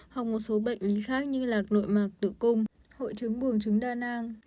hoặc một số bệnh lý khác như lạc nội mạc tử cung hội trứng buông trứng đa nang